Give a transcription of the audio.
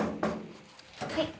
はい。